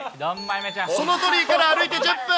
その鳥居から歩いて１０分。